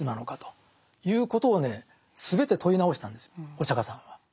お釈迦さんは。